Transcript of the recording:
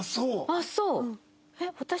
あっそう。